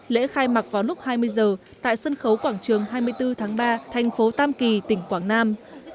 lễ khai mạc vào lúc hai mươi h tại sân khấu quảng trường hai mươi bốn tháng ba thành phố tam kỳ tỉnh quảng nam